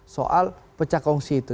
soal pecah kongsi itu